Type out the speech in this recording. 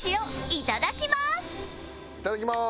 いただきます！